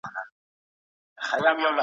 ایا ځايي کروندګر وچه میوه اخلي؟